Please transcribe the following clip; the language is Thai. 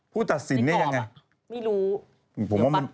ผู้ตัดสินนี่ยังไงไม่รู้เดี๋ยวปั๊บผู้ตัดสินนี่ยังไง